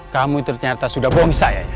kamu ternyata sudah bom saya